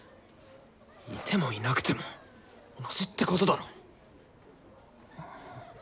いてもいなくても同じってことだろ。